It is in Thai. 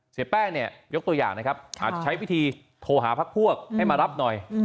เสียแป้งเนี่ยยกตัวอย่างนะครับอาจใช้วิธีโทรหาพักพวกให้มารับหน่อย